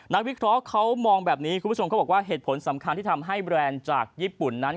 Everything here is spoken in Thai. วิเคราะห์เขามองแบบนี้คุณผู้ชมเขาบอกว่าเหตุผลสำคัญที่ทำให้แบรนด์จากญี่ปุ่นนั้น